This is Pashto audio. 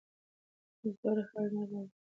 زور حل نه راولي.